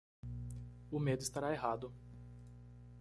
O medo estará errado